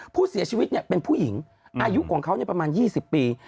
ผู้เสียชีวิตเป็นผู้หญิงอายุของเขาประมาณ๒๐ปี